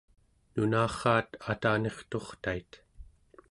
nunarraat atanirturtait